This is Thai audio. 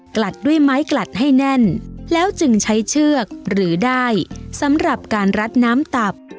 ลัดด้วยไม้กลัดให้แน่นแล้วจึงใช้เชือกหรือได้สำหรับการรัดน้ำตับ